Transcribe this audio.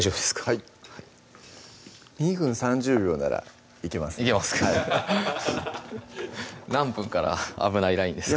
はい２分３０秒ならいけますいけますか何分から危ないラインですか？